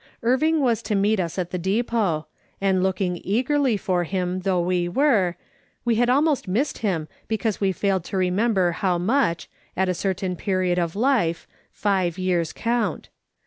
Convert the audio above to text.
Irving was to meet us at the depot, and looking eagerly for him though we were, we had almost missed him because we failed to remember how much, at a certain period of life, five years count.